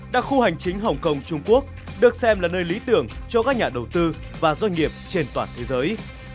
đặc khu hành chính hồng kông trung quốc được xem là nơi lý tưởng cho các nhà đầu tư và doanh nghiệp trên toàn thế giới